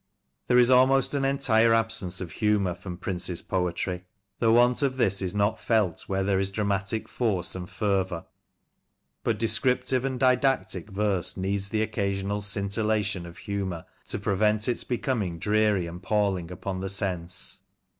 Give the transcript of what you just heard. There is an almost entire absence of humour from Prince's poetry. The want of this is not felt where there is dramatic . force and fervour, but descriptive and didactic verse needs the occasional scintillation of humour to prevent its becom ing dreary and palling upon the sense.